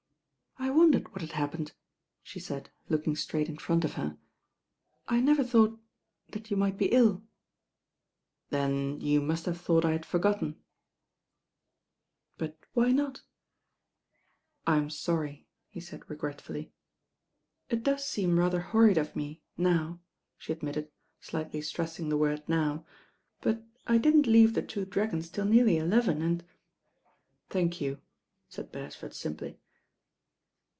"I wondered what had happened," she said, look ing straight in front of her. "I never thought — that you might be ill." "Then you must have thought I had forgotten." Si '?.% THE MEETING WITH THE RAIN GIRL 159 "But why not?" 'Tin sorry," he said regretfully. "It does seem rather horrid of me — now," she admitted, slightly stressing the word "now," "but I didn't leave 'The Two Dragons' till nearly eleven and "Thank you," said Beresford simply.